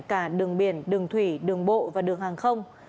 cả đường biển đường thủy đường bộ và đường hàng không